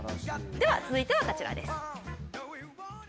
続いてはこちらです。